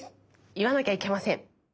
いわなきゃいけません。